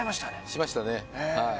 しましたね。